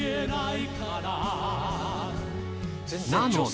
なので